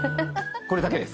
これだけです。